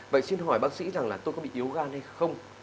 vậy xin hỏi bác sĩ rằng là tôi có bị yếu ga hay không